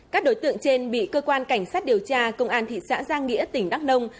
các đối tượng trên bị cơ quan cảnh sát điều tra công an thị xã giang nghĩa tỉnh đắk nông